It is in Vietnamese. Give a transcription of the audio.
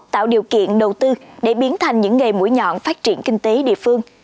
tạo điều kiện đầu tư để biến thành những nghề mũi nhọn phát triển kinh tế địa phương